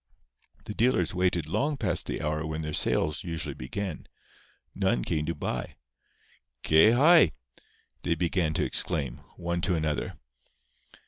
The dealers waited long past the hour when their sales usually began. None came to buy. "Qué hay?" they began to exclaim, one to another.